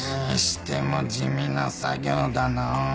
にしても地味な作業だな。